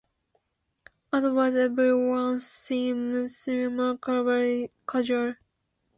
Otherwise every one seems remarkably casual.